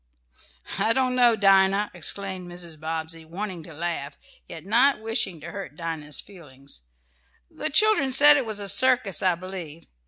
"I don't know, Dinah!" exclaimed Mrs. Bobbsey, wanting to laugh, and yet not wishing to hurt Dinah's feelings. "The children said it was a circus, I believe.